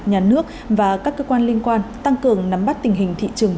nhà nước và các cơ quan liên quan tăng cường nắm bắt tình hình thị trường